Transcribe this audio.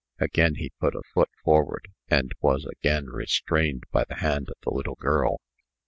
Again he put a foot forward, and was again restrained by the hand of the little girl.